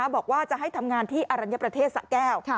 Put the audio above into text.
บอกว่าจะให้ทำงานที่อรัญญประเทศสะแก้ว